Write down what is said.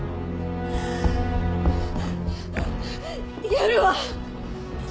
やるわ。